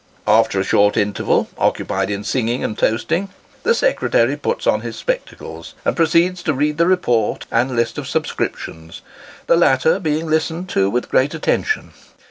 After a short interval, occupied in singing and toasting, the secretary puts on his spectacles, and proceeds to read the report and list of subscriptions, the latter being listened to with great attention.